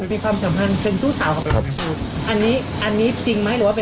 อันนี้จริงมั้ยหรือว่าเป็นข้อที่จริง